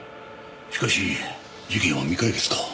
しかし事件は未解決か。